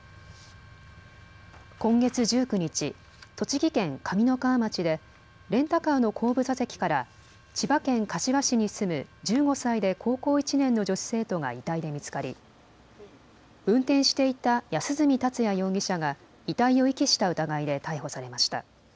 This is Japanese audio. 今月１９日、栃木県上三川町でレンタカーの後部座席から千葉県柏市に住む１５歳で高校１年の女子生徒が遺体で見つかり運転していた安栖達也容疑者が遺体を遺棄した疑いで逮捕されました。